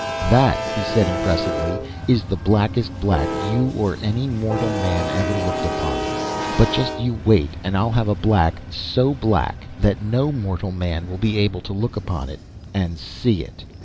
"That," he said impressively, "is the blackest black you or any mortal man ever looked upon. But just you wait, and I'll have a black so black that no mortal man will be able to look upon it—and see it!"